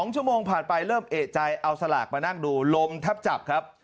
๒ชั่วโมงผ่านไปเริ่มเอกใจเอาสลากมานั่งดูลมทับจับครับ